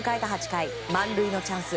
８回、満塁のチャンス